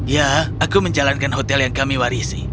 ya aku menjalankan hotel yang kami warisi